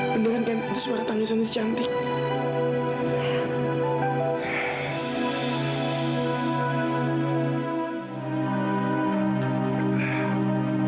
beneran kan itu suara tangan si cantik